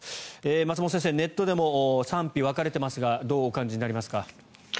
松本先生、ネットでも賛否が分かれていますがどうお感じになりますか？